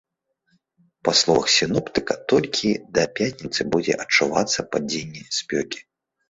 Па словах сіноптыка, толькі да пятніцы будзе адчувацца падзенне спёкі.